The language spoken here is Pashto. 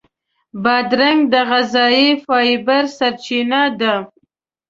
بادرنګ د غذایي فایبر سرچینه ده.